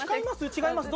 「違います」？